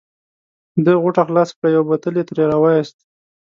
ده غوټه خلاصه کړه او یو بوتل یې ترې را وایست.